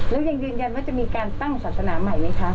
แล้วยังยืนยันว่าจะมีการตั้งศาสนาใหม่ไหมคะ